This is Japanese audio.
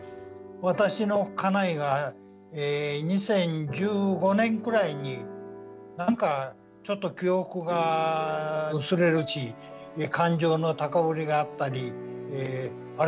私の家内が２０１５年くらいに何かちょっと記憶が薄れるし感情の高ぶりがあったり「あれ？